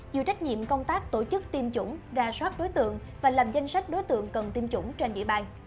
chịu trách nhiệm công tác tổ chức tiêm chủng ra soát đối tượng và làm danh sách đối tượng cần tiêm chủng trên địa bàn